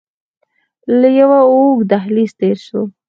له يوه اوږد دهليزه تېر سو.